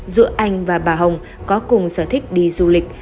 giữa anh và bà hồng có cùng sở thích đi du lịch